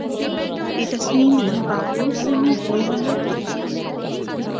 এটি সুইমিং বা the old swimming hole নামেও পরিচিত।